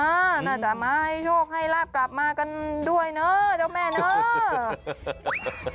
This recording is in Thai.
น่าจะมาให้โชคให้ลาบกลับมากันด้วยเนอะเจ้าแม่เนอะ